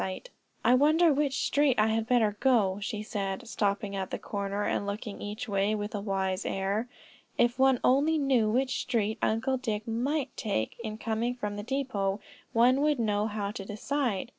"I wonder which street I would better go?" she said, stopping at the corner, and looking each way with a wise air. "If one only knew which street Uncle Dick might take in coming from the depot, one would know how to decide.